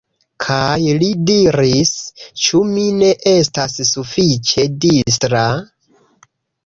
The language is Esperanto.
Kaj li diris: "Ĉu mi ne estas sufiĉe distra?